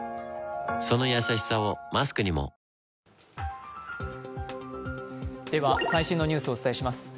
そのやさしさをマスクにもでは最新のニュースをお伝えします。